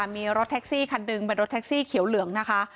มีรถแท็กซี่คันหนึ่งเป็นรถแท็กซี่เขียวเหลืองนะคะ